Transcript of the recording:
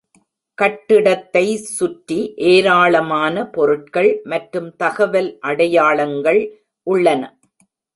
கட்டிடத்தை சுற்றி ஏராளமான பொருட்கள் மற்றும் தகவல் அடையாளங்கள் உள்ளன.